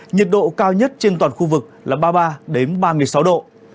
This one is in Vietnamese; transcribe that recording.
nhiệt độ cao nhất trên toàn khu vực là ba mươi ba ba mươi sáu độ